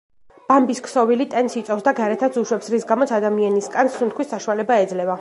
ბამბის ქსოვილი ტენს იწოვს და გარეთაც უშვებს, რის გამოც ადამიანის კანს სუნთქვის საშუალება ეძლევა.